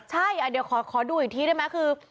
ใช่เดี๋ยวขอดูอีกทีได้ไหมคือ